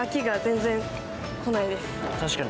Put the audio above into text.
確かに。